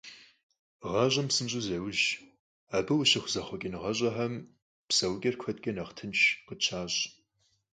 ГъащӀэм псынщӀэу зеужь, абы къыщыхъу зэхъуэкӀыныгъэщӀэхэм псэукӀэр куэдкӀэ нэхъ тынш къытщащӀ.